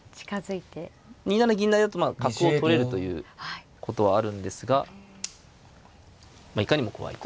２七銀成だと角を取れるということはあるんですがいかにも怖いという。